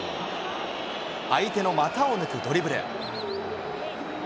相手の股を抜くドリブル。